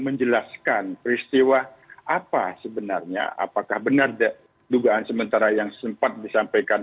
menjelaskan peristiwa apa sebenarnya apakah benar dugaan sementara yang sempat disampaikan